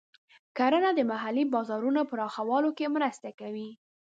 کرنه د محلي بازارونو پراخولو کې مرسته کوي.